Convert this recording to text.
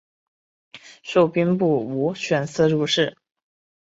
授兵部武选司主事。